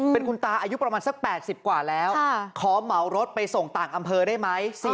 เป็นคุณตาอายุประมาณสัก๘๐กว่าแล้วขอเหมารถไปส่งต่างอำเภอได้ไหม